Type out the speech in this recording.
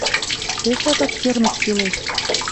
Пешакак кермыч кӱлеш.